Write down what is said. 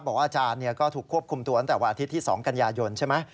อาจารย์ก็ถูกควบคุมตัวตั้งแต่วันอาทิตย์ที่๒กันยายนใช่ไหม